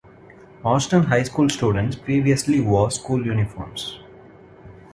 Austin High School students previously wore school uniforms.